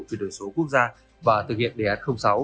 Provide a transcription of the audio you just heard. chuyển đổi số quốc gia và thực hiện đề án sáu